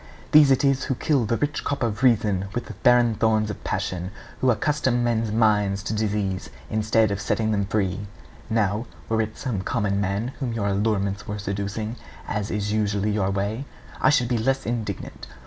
These it is who kill the rich crop of reason with the barren thorns of passion, who accustom men's minds to disease, instead of setting them free. Now, were it some common man whom your allurements were seducing, as is usually your way, I should be less indignant.